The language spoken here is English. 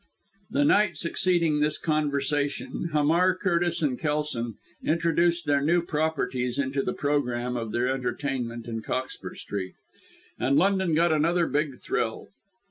The night succeeding this conversation, Hamar, Curtis and Kelson introduced their new properties into the programme of their entertainment in Cockspur Street, and London got another big thrill.